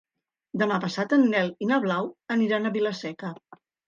Demà passat en Nel i na Blau aniran a Vila-seca.